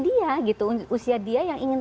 dia gitu usia dia yang ingin